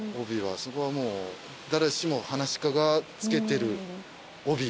そこはもう誰しもはなし家が着けてる帯。